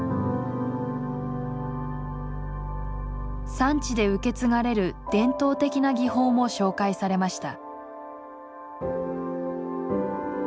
産地で受け継がれる伝統的な技法も紹介されました。